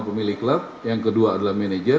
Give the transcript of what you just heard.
pemilih club yang kedua adalah manager